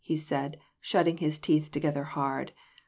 " he said, shutting his teeth together hard.